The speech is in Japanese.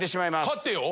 勝ってよ！